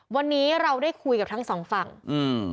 วันนี้เราได้คุยกับทั้งสองฝั่งอืม